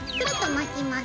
巻きます。